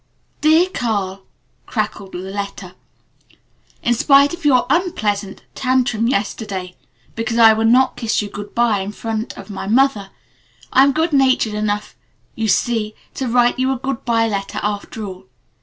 "DEAR CARL" crackled the letter, "In spite of your unpleasant tantrum yesterday, because I would not kiss you good by in the presence of my mother, I am good natured enough you see to write you a good by letter after all.